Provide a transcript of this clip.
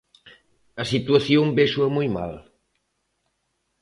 A situación véxoa moi mal.